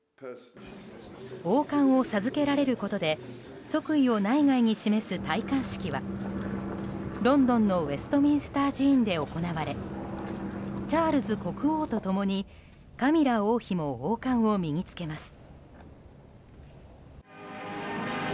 王冠を授けられることで即位を内外に示す戴冠式はロンドンのウェストミンスター寺院で行われチャールズ国王と共にカミラ王妃も王冠を身に着けます。